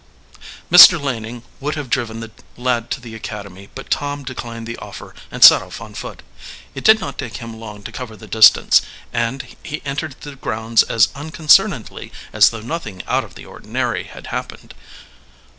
Mr. Laning would have driven the lad to the academy, but Tom declined the offer and set off on foot. It did not take him long to cover the distance, and he entered the grounds as unconcernedly as though nothing out of the ordinary had happened.